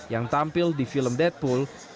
yang tampil di film deadpool